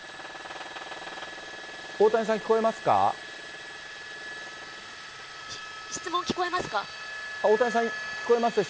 大谷さん、質問聞こえますか？